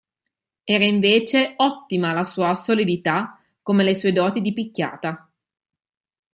Era invece ottima la sua solidità come le sue doti di picchiata.